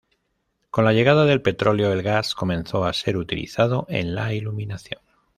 Con la llegada del petróleo, el gas comenzó a ser utilizado en la iluminación.